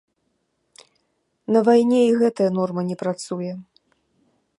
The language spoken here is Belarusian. На вайне і гэтая норма не працуе?